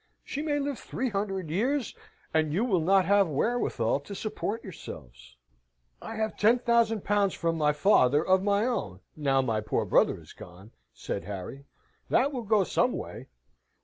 She may live three hundred years, and you will not have wherewithal to support yourselves." "I have ten thousand pounds from my father, of my own, now my poor brother is gone," said Harry, "that will go some way."